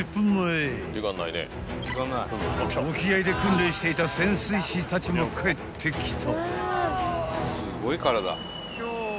［沖合で訓練していた潜水士たちも帰ってきた］